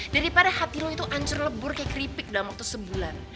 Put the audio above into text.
daripada hati lo itu hancur lebur kayak keripik dalam waktu sebulan